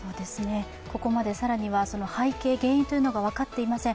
ここまで更にはその背景、原因というのが分かっていません。